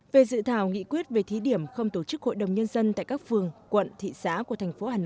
về dự thảo nghị quyết về thí điểm không tổ chức hội đồng nhân dân tại các phường quận thị xã của thành phố hà nội